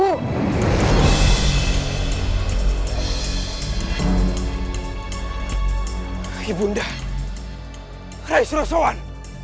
ibu nda rais rosawan